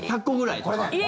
１００個ぐらいとか？